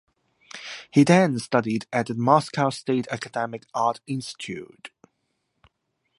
He then studied at the Moscow State Academic Art Institute.